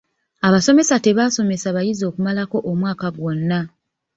Abasomesa tebaasomesa bayizi okumalako omwaka gwonna.